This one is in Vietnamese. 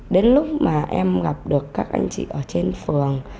đến lúc mà em gặp được các anh chị ở trên phường